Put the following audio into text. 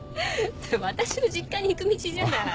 私の実家に行く道じゃない。